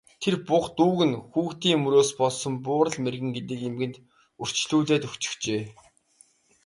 Тэр буга дүүг нь хүүхдийн мөрөөс болсон Буурал мэргэн гэдэг эмгэнд үрчлүүлээд өгчихжээ.